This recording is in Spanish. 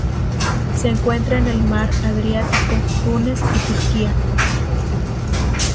Se encuentra en el Mar Adriático, Túnez y Turquía.